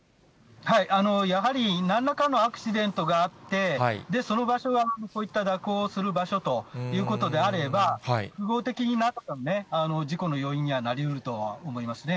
やはりなんらかのアクシデントがあって、その場所が、こういった蛇行をする場所ということであれば、複合的に事故の要因にはなりうるとは思いますね。